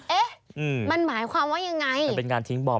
เอ๊ะมันหมายความว่ายังไง